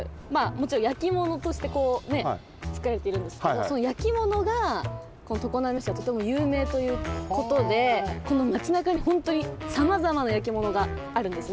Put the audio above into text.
もちろん焼き物としてこうねつくられているんですけどその焼き物がこの常滑市はとてもゆうめいということでこのマチなかにほんとにさまざまな焼き物があるんですね。